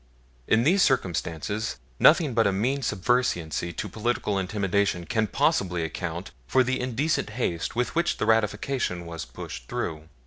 In these circumstances, nothing but a mean subserviency to political intimidation can possibly account for the indecent haste with which the ratification was pushed through.